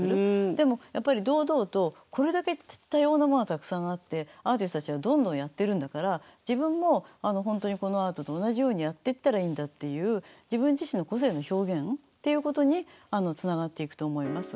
でもやっぱり堂々とこれだけ多様なものがたくさんあってアーティストたちがどんどんやってるんだから自分も本当にこのアートと同じようにやっていったらいいんだっていう自分自身の個性の表現っていうことにつながっていくと思います。